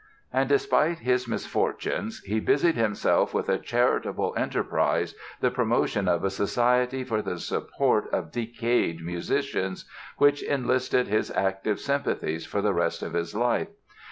And despite his misfortunes he busied himself with a charitable enterprise, the promotion of a Society for the Support of Decayed Musicians, which enlisted his active sympathies for the rest of his life.